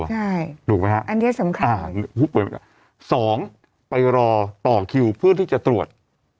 ถูกไหมฮะอันนี้สำคัญ๒ไปรอต่อคิวเพื่อที่จะตรวจ